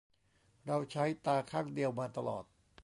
เราใช้ตาข้างเดียวมาตลอด